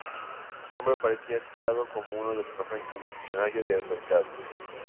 Su nombre aparece citado como uno de los referentes en el "Diccionario de autoridades".